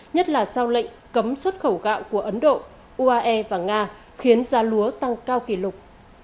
nhất là sau lệnh cấm xuất khẩu gạo của ấn độ uae và nga khiến giá lúa tăng cao kỷ lục